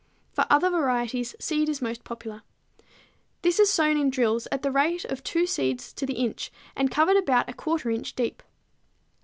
For other varieties seed is most popular. This is sown in drills at the rate of two seeds to the inch and covered about 1/4 inch deep.